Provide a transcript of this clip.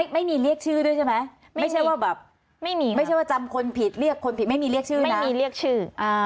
ไม่มีเรียกชื่อด้วยใช่ไหมไม่ใช่ว่าแบบไม่มีไม่ใช่ว่าจำคนผิดเรียกคนผิดไม่มีเรียกชื่อไม่มีเรียกชื่อ